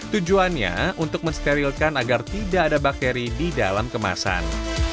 tujuannya untuk mensterilkan agar tidak ada bakteri di dalam kemasan